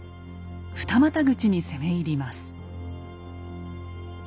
二股口に攻め入ります。